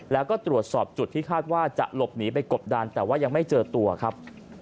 แล้วก็ตรวจสอบจุดที่คาดว่าจะหลบหนีไปกบดันแต่ว่ายังไม่เจอตัวครับ